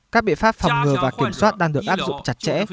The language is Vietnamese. các biện pháp phòng ngừa và kiểm soát đang được áp dụng chặt chẽ